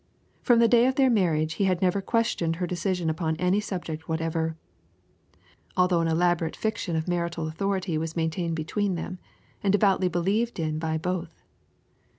From the day of their marriage he had never questioned her decision upon any subject whatever, although an elaborate fiction of marital authority was maintained between them and devoutly believed in by both.